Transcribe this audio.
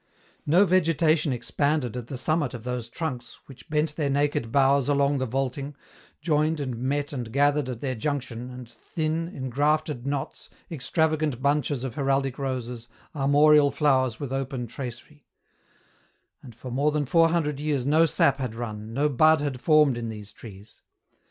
No vegetation expanded at the summit of those trunks which bent their naked boughs along the vaulting, joined and met and gathered at their junction, and thin, engrafted knots, extravagant bunches of heraldic roses, armorial flowers with open tracery ; and for more than four hundred years no sap had run, no bud had formed in these trees.